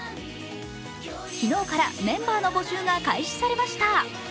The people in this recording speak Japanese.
昨日から、メンバーの募集が開始されました。